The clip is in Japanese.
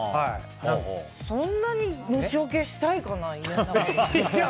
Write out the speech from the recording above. そんなに虫よけしたいかな。